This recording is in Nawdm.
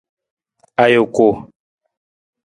Ajuku.